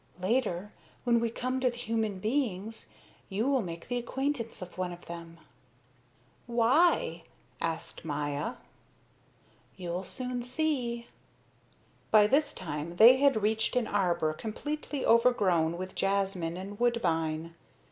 Later, when we come to the human beings, you will make the acquaintance of one of them." "Why?" asked Maya. "You'll soon see." By this time they had reached an arbor completely overgrown with jasmine and woodbine.